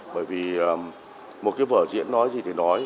bởi vì một cái vở diễn nói gì thì nói